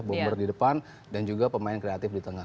bomber di depan dan juga pemain kreatif di tengah